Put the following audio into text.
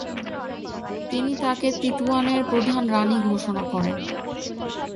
তিনি তাকে তিতওয়ানের প্রধান রাণি ঘোষণা করেন।